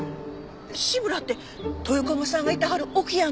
志むらって豊駒さんがいてはる置屋の？